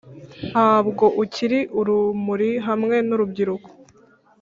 ntabwo ukiri urumuri hamwe nurubyiruko